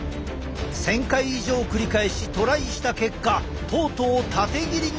１，０００回以上繰り返しトライした結果とうとう縦切りに成功した！